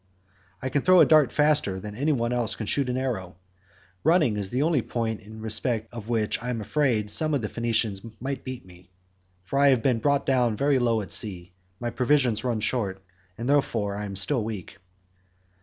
I can throw a dart farther than any one else can shoot an arrow. Running is the only point in respect of which I am afraid some of the Phaeacians might beat me, for I have been brought down very low at sea; my provisions ran short, and therefore I am still weak."